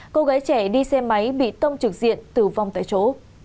cô gái trẻ đi xe máy bị tông trực diện tử vong tại chỗ